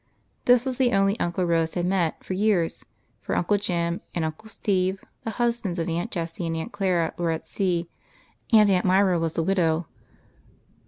This was the only uncle Rose had met for years, for Uncle UNCLES. 35 Jem and Uncle Steve, the husbands of Aunt Jessie and Aunt Clara, were at sea, and Aunt Myra was a widow.